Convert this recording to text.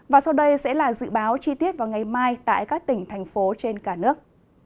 và sau đây sẽ là dự báo chi tiết vào ngày mai tại các tỉnh thành phố trên cả nước